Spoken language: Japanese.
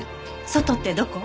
外ってどこ？